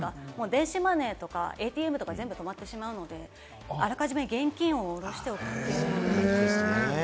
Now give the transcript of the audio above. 電子マネーとかＡＴＭとか全部止まってしまうので、あらかじめ現金をおろしておくというのも大切です。